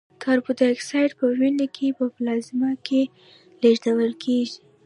کاربن دای اکساید په وینه کې په پلازما کې لېږدول کېږي.